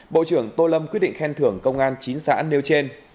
bộ trưởng tô lâm quyết định khen thưởng công an chín xã nêu trên